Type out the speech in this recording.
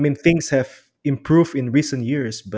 meningkat dalam tahun tahun yang lalu